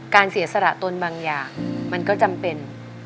เสียสละตนบางอย่างมันก็จำเป็น